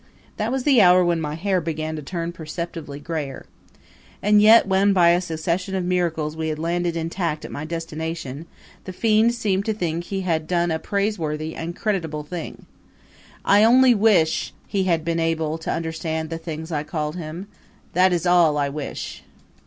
That was the hour when my hair began to turn perceptibly grayer. And yet, when by a succession of miracles we had landed intact at my destination, the fiend seemed to think he had done a praiseworthy and creditable thing. I only wish he had been able to understand the things I called him that is all I wish!